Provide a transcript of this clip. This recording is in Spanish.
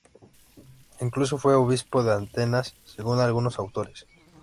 Incluso fue obispo de Atenas según algunos autores.